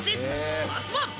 まずは。